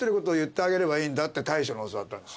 大将に教わったんです。